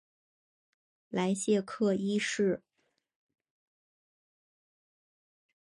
莱谢克一世。